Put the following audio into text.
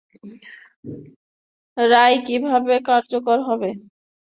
রায় কীভাবে কার্যকর হবে, তার বিস্তারিত ব্যাখ্যা দিয়েছেন অ্যাটর্নি জেনারেল মাহবুবে আলম।